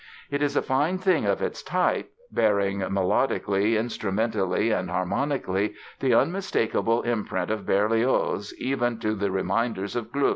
It is a fine thing of its type, bearing melodically, instrumentally and harmonically, the unmistakable imprint of Berlioz even to the reminders of Gluck.